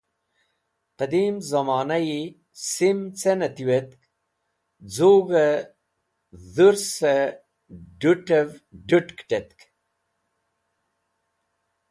Qẽdim zẽmonayi sim cẽ nẽ tiwetk z̃ug̃hẽ dhũrsẽ d̃ut̃ẽv d̃ũt ket̃tk.